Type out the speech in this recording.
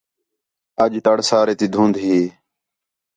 اَڄ تڑ سارے تی دُھند ہی